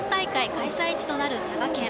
開催地となる佐賀県。